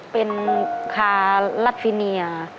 เป็นคารัสฟิเนีย